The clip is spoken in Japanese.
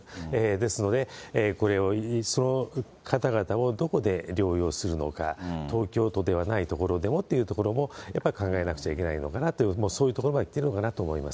ですので、その方々をどこで療養するのか、東京都ではない所でもっていうところも、やっぱり考えなきゃいけないのかなと、そういうところまできているのかなと思います。